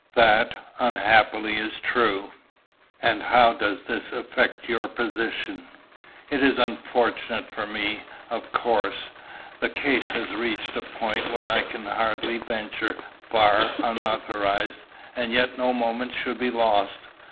"That, unhappily, is true." "And how does this affect your position?" "It is unfortunate for me, of course. The case has reached a point when I can hardly venture far unauthorised, and yet no moment should be lost.